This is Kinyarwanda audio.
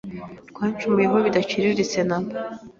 Rwancumuyeho bidaciriritse namba